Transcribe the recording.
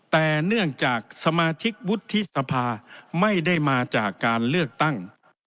แต่เนื่องจากสมาชิกวุฒิสภาไม่ได้มาจากการเลือกตั้ง